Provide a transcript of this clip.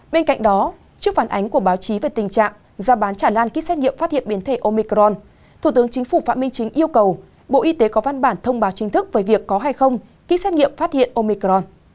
bên cạnh đó trước phản ánh của báo chí về tình trạng gia bán chản ăn kýt xét nghiệm phát hiện biến thể omicron thủ tướng chính phủ phạm minh chính yêu cầu bộ y tế có văn bản thông báo chính thức về việc có hay không ký xét nghiệm phát hiện omicron